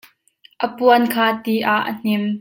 A puan kha ti ah a hnim.